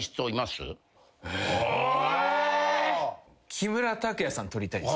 木村拓哉さんと撮りたいっす。